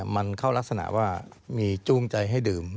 มันเข้ารักษณะว่ามีจูงใจให้ดื่ม